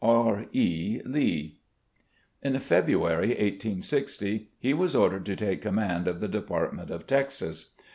R. E. Lee." In February, i860, he was ordered to take command of the Department of Texas.